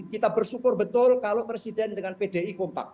kita bersyukur betul kalau presiden dengan pdi kompak